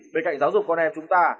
bên cạnh giáo dục con em chúng ta